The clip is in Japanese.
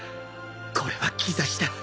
これは兆しだ。